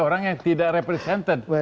orang yang tidak represented